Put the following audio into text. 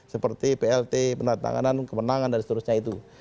seperti plt penatanganan kemenangan dan seterusnya itu